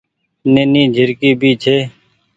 نيني جهرڪي ڀي ڇي۔